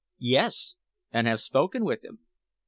"Yes, and have spoken with him."